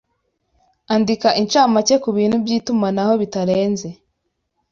Andika incamake kubintu byitumanaho bitarenze